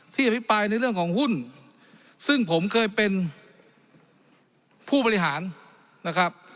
อภิปรายในเรื่องของหุ้นซึ่งผมเคยเป็นผู้บริหารนะครับ